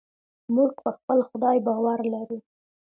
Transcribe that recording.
موږ په خپل خدای باور لرو.